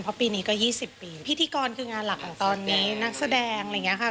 เพราะปีนี้ก็๒๐ปีพิธีกรคืองานหลักของตอนนี้นักแสดงอะไรอย่างนี้ค่ะ